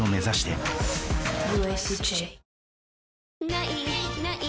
「ない！ない！